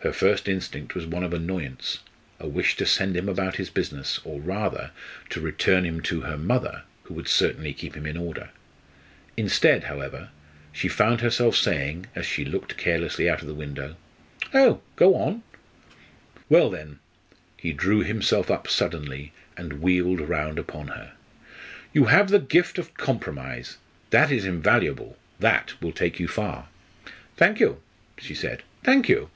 Her first instinct was one of annoyance a wish to send him about his business, or rather to return him to her mother who would certainly keep him in order. Instead, however, she found herself saying, as she looked carelessly out of window "Oh! go on." "Well, then" he drew himself up suddenly and wheeled round upon her "you have the gift of compromise. That is invaluable that will take you far." "Thank you!" she said. "Thank you!